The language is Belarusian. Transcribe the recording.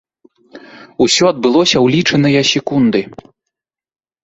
Усё адбылося ў лічаныя секунды.